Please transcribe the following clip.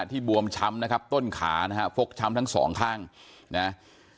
บวมช้ำนะครับต้นขานะฮะฟกช้ำทั้งสองข้างนะฮะ